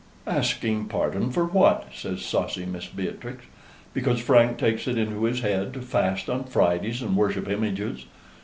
"Asking pardon for what?" says saucy Mrs. Beatrix "because Frank takes it into his head to fast on Fridays and worship images?